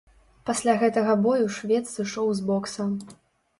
Пасля гэтага бою швед сышоў з бокса.